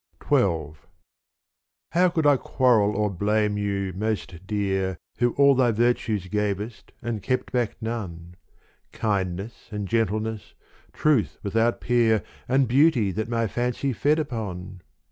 XII How could I quarrel or blame you most dear Who all thy virtues gavest and kept back none : Kindness and gentleness, truth without peer And beauty that my fancy fed upon